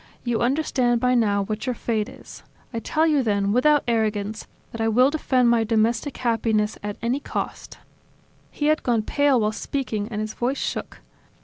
You understand by now what your fate is. I tell you then, without arrogance, that I will defend my domestic happiness at any cost." He had gone pale while speaking and his voice shook.